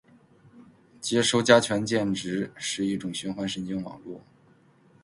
接收加权键值是一种循环神经网络